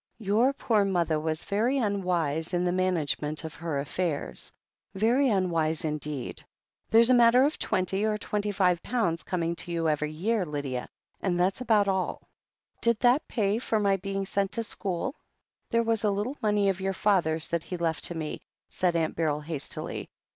• "Your poor mother was very unwise in the man agement of her affairs — ^very imwise indeed. There's a matter of twenty or twenty five pounds coming to you every year, Lydia, and that's about all." "Did that pay for my being sent to school ?" "There was a little money of your father's, that he left to me," said Aunt Beryl hastily.